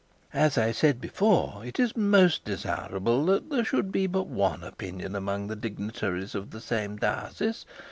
As I said before, it is not desirable that there should be but one opinion among the dignitaries in the same diocese.